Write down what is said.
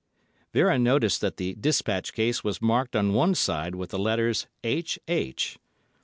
Vera noticed that the despatch case was marked on one side with the letters 'H. H.